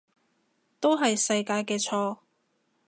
都係世界嘅錯